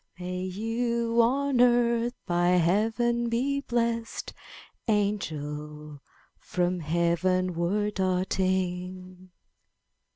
May you on earth by Heaven be blessed. Angel, from Heavenward darting!'